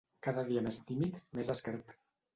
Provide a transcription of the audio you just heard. Cada dia més tímid, més esquerp